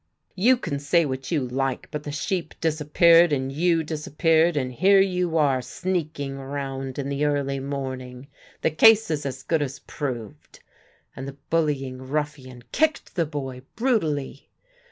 "You can say what you like, but the sheep disappeared and you disappeared, and here you are sneaking round in the early morning. The case is as good as proved," and the bullying ruffian kicked the boy brutally.